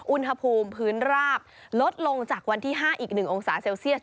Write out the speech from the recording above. อุณหภูมิพื้นราบลดลงจากวันที่๕อีก๑องศาเซลเซียส